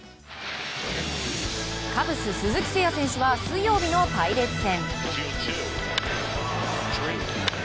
カブス、鈴木誠也選手は水曜日のパイレーツ戦。